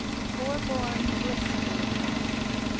Before born bliss babe had.